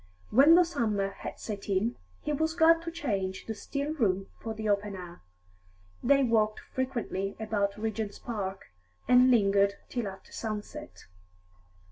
When the summer had set in, he was glad to change the still room for the open air; they walked frequently about Regent's Park, and lingered till after sunset.